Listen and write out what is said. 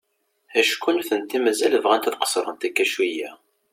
Acku nutenti mazal bɣant ad qesrent akka cwiay.